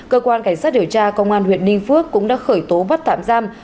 cơ quan cảnh sát điều tra công an huyện ninh phước cũng đã khởi tố bắt tạm giam